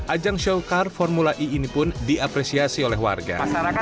ajang showcar formula e ini pun diapresiasi oleh warga